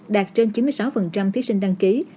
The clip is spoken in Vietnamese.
đạt trên chín mươi sáu thí sinh đăng ký